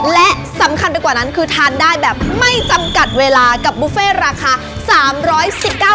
และสำคัญไปกว่านั้นคือทานได้แบบไม่จำกัดเวลากับบุฟเฟ่ราคา๓๑๙บาท